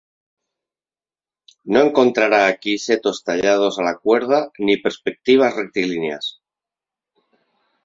No encontrará aquí setos tallados a la cuerda ni perspectivas rectilíneas.